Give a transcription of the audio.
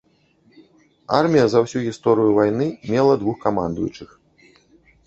Армія за ўсю гісторыю вайны мела двух камандуючых.